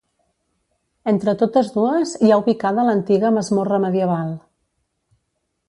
Entre totes dues hi ha ubicada l'antiga masmorra medieval.